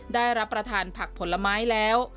ได้รับประทานผักผลไม้แล้ว